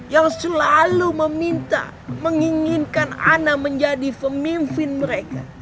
yang selalu meminta menginginkan ana menjadi pemimpin mereka